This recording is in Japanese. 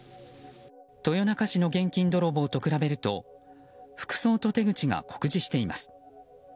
豊中市の現金泥棒と比べると服装と手口が酷似しています。